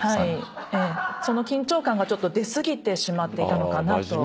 その緊張感が出過ぎてしまっていたのかなと。